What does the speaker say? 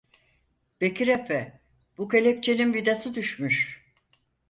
Bekir Efe, bu kelepçenin vidası düşmüş.